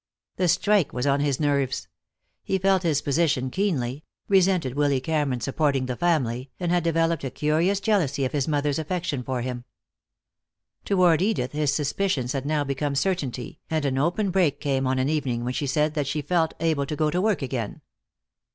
The strike was on his nerves; he felt his position keenly, resented Willy Cameron supporting the family, and had developed a curious jealousy of his mother's affection for him. Toward Edith his suspicions had now become certainty, and an open break came on an evening when she said that she felt able to go to work again.